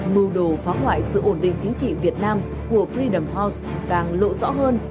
mưu đồ phá hoại sự ổn định chính trị việt nam của frene house càng lộ rõ hơn